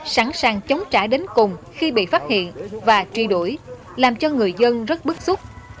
sẵn sàng chống trả đến cùng khi bị phát hiện và truy đuổi làm cho người dân rất bức xúc